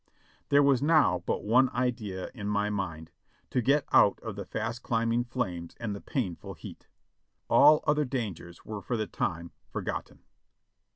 There was now but one idea in my mind — to get out of the fast climbing flames and the painful heat. All other dangers were for the time forgotten.